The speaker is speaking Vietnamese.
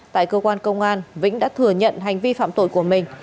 tại cơ quan công an vĩnh đã thừa nhận hành vi phạm tội của mình